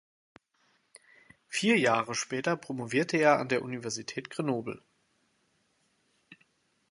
Vier Jahre später promovierte er an der Universität Grenoble.